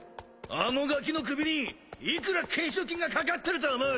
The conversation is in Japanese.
あのガキの首に幾ら懸賞金がかかってると思う？